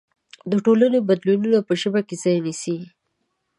د ټولنې بدلونونه په ژبه کې ځای نيسي.